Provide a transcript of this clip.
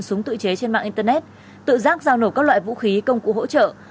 súng tự chế trên mạng internet tự giác giao nổ các loại vũ khí công cụ hỗ trợ